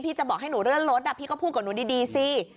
จะบอกให้หนูเลื่อนรถพี่ก็พูดกับหนูดีสิ